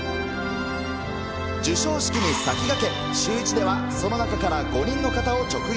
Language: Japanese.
授賞式に先駆け、シューイチではその中から５人の方を直撃。